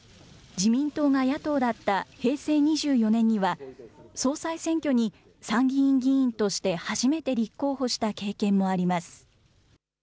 自民党が野党だった平成２４年には、総裁選挙に参議院議員として初めて立候補した経験もあります。